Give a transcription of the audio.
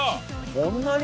こんなに？